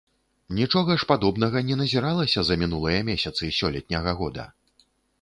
Нічога ж падобнага не назіралася за мінулыя месяцы сёлетняга года.